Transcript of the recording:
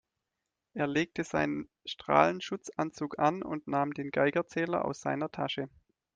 Er legte seinen Strahlenschutzanzug an und nahm den Geigerzähler aus seiner Tasche.